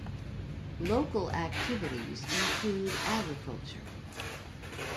Local activities include agriculture.